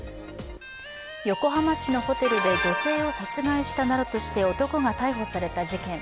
横浜市のホテルで女性を殺害したなどとして男が逮捕された事件。